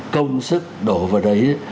công sức đổ vào đấy